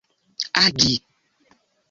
agi